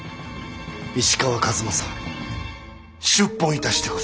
石川数正出奔いたしてございます。